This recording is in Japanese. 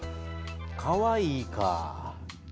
かわいいかぁ。